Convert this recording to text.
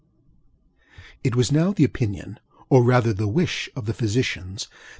ŌĆØ It was now the opinion, or rather the wish, of the physicians, that M.